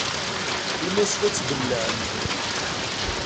In-asen ad tt-bellɛen.